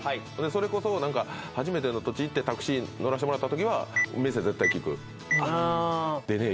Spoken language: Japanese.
それこそ初めての土地行ってタクシー乗らせてもらったときは店絶対聞くでね